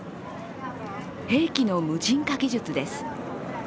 兵器の無人化技術です。